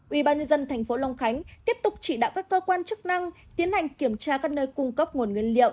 ubnd tp long khánh tiếp tục chỉ đạo các cơ quan chức năng tiến hành kiểm tra các nơi cung cấp nguồn nguyên liệu